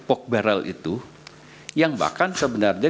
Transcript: poke barrel itu yang bahkan sebenarnya